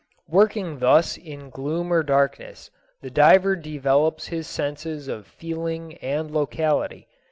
Working thus in gloom or darkness, the diver develops his senses of feeling and locality.